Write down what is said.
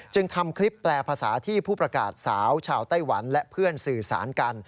ทำคลิปแปลภาษาที่ผู้ประกาศสาวชาวไต้หวันและเพื่อนสื่อสารกัน